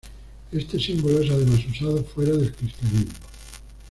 Este símbolo es además usado fuera del cristianismo.